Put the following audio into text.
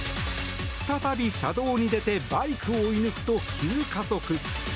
再び車道に出てバイクを追い抜くと、急加速！